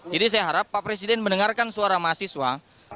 jadi saya harap pak presiden mendengarkan suara mahasiswa